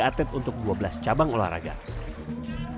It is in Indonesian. ia memprediksi atlet atlet yang berbeda dan juga atlet atlet yang berbeda